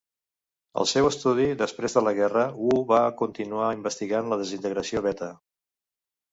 Al seu estudi després de la guerra, Wu va continuar investigant la desintegració beta.